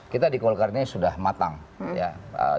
kita di kolkarnya sudah matang ya